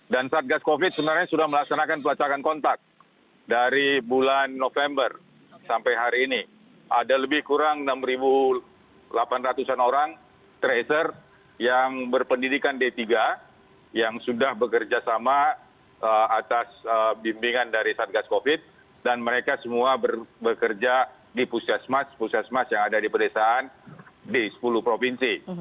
dan satgas covid sebenarnya sudah melaksanakan pelacakan kontak dari bulan november sampai hari ini ada lebih kurang enam delapan ratus an orang tracer yang berpendidikan d tiga yang sudah bekerja sama atas bimbingan dari satgas covid dan mereka semua bekerja di pusat mas pusat mas yang ada di pedesaan di sepuluh provinsi